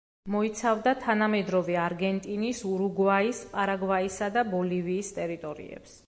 მოიცავდა თანამედროვე არგენტინის, ურუგვაის, პარაგვაისა და ბოლივიის ტერიტორიებს.